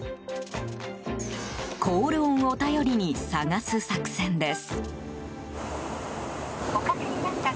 コール音を頼りに探す作戦です。